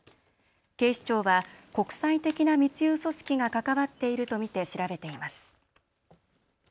警視庁は国際的な密輸組織が関わっていると見て調べています。